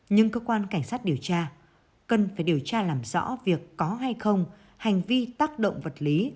nhưng cơ quan cảnh sát điều tra cần phải điều tra làm rõ việc có hay không hành vi tác động vật lý